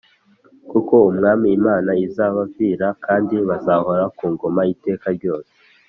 kuko Umwami Imana izabavira kandi bazahora ku ngoma iteka ryose.